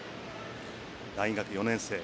大学４年生。